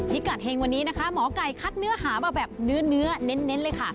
พิกัดเฮงวันนี้นะคะหมอไก่คัดเนื้อหามาแบบเนื้อเน้นเลยค่ะ